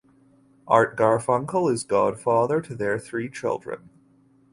Art Garfunkel is godfather to their three children.